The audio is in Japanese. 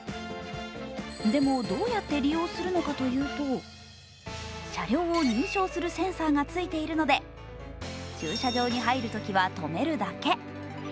でもどうやって利用するのかというと車両を認証するセンサーがついているので、駐車場に入るときは止めるだけ。